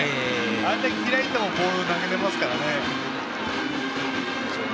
あれだけ開いてもボールを投げられますからね。